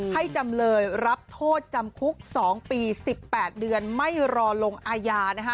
จำเลยรับโทษจำคุก๒ปี๑๘เดือนไม่รอลงอาญา